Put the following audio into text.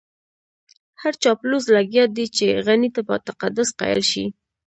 هر چاپلوس لګيا دی چې غني ته په تقدس قايل شي.